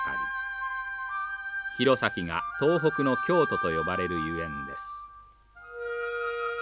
弘前が東北の京都と呼ばれるゆえんです。